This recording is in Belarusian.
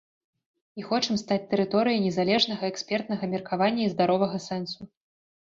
І хочам стаць тэрыторыяй незалежнага экспертнага меркавання і здаровага сэнсу.